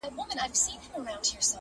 په ټول ښار کي مي دښمن دا یو قصاب دی!.